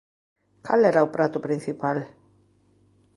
Cal era o prato principal?